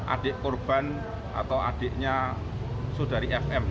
adik korban atau adiknya saudari fm